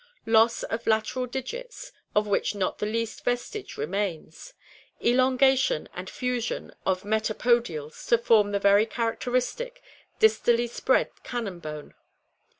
Loss of lateral digits, of which not the least vestige remains. Elongation and fusion of meta podials to form the very characteristic, distally spread cannon bone.